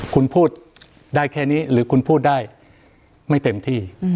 คุณพูดได้แค่นี้หรือคุณพูดได้ไม่เต็มที่